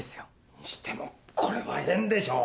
にしてもこれは変でしょう。